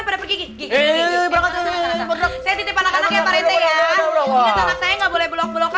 pada pergi gg gigih berangkatnya saya titip anak anak ya pak rt ya enggak boleh bolak bolakan